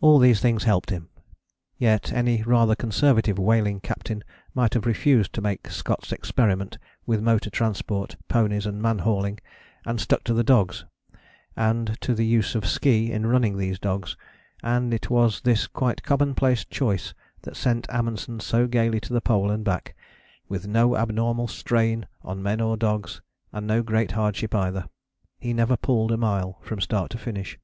All these things helped him. Yet any rather conservative whaling captain might have refused to make Scott's experiment with motor transport, ponies and man hauling, and stuck to the dogs; and to the use of ski in running those dogs; and it was this quite commonplace choice that sent Amundsen so gaily to the Pole and back: with no abnormal strain on men or dogs, and no great hardship either. He never pulled a mile from start to finish.